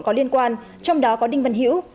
có liên quan trong đó có đình văn hiễu